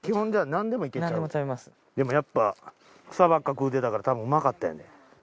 でもやっぱ草ばっか食うてたからたぶんうまかったんやね。